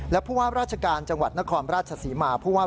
และผู้ว่าราชการจังหวัดนครราชศรีมาผู้ว่า